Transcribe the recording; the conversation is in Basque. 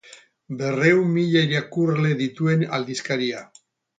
Berrehun mila irakurle dituen aldizkaria.